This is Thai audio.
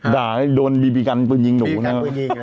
ด่าให้โดนบีบีกันปืนยิงหนูนะ